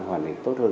hoàn thành tốt hơn